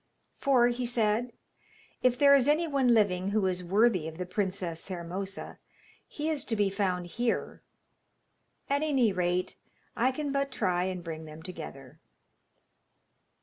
'For,' he said, 'if there is any one living who is worthy of the Princess Hermosa he is to be found here. At any rate, I can but try and bring them together.'